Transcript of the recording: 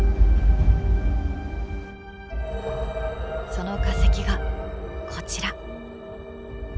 その化石がこちら。